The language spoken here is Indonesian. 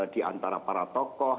di antara para tokoh